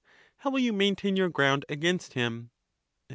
How will you maintain your ground against him